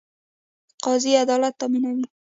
قاضي عدالت تامینوي